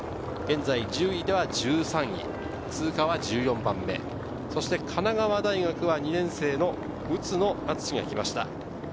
現在、順位では１３位、通過は１４番目、神奈川大学は２年生の宇津野篤が来ました。